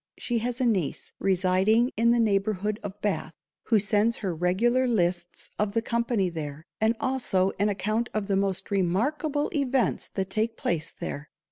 _She has a niece residing in the neighbourhood of _Bath, _who sends her regular lists of the company there, and also an account of the most remarkable events that take _place _there.